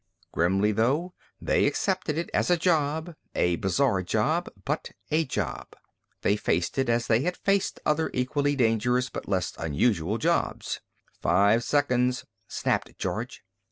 Grimly, though, they accepted it as a job, a bizarre job, but a job. They faced it as they had faced other equally dangerous, but less unusual, jobs. "Five seconds," snapped George.